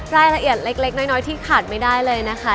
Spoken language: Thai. รายละเอียดเล็กน้อยที่ขาดไม่ได้เลยนะคะ